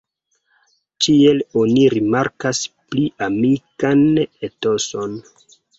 Ĉiel oni rimarkas pli amikan etoson.